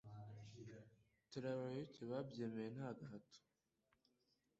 Turi abayoboke babyemeye ntagahato